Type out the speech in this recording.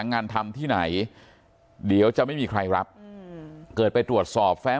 งานทำที่ไหนเดี๋ยวจะไม่มีใครรับเกิดไปตรวจสอบแฟ้